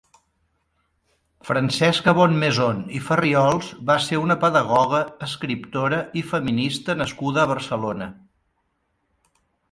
Francesca Bonnemaison i Farriols va ser una pedagoga, escriptora i feminista nascuda a Barcelona.